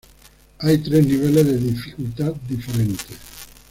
Hay tres niveles de dificultad diferentes.